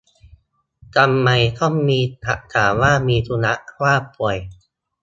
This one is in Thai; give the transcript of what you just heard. ทำไมต้องมีหลักฐานว่ามีธุระ ว่าป่วย